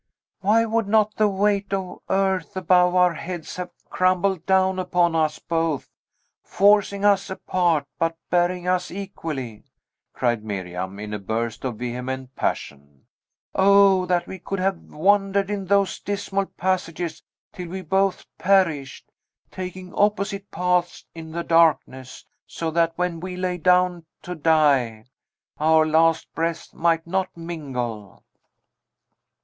"Why would not the weight of earth above our heads have crumbled down upon us both, forcing us apart, but burying us equally?" cried Miriam, in a burst of vehement passion. "O, that we could have wandered in those dismal passages till we both perished, taking opposite paths in the darkness, so that when we lay down to die, our last breaths might not mingle!"